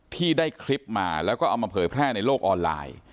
ที่ได้คลิปมาแล้วก็เอามาเผยแพร่ในโลกออนไลน์